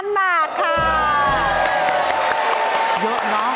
เยอะเนอะ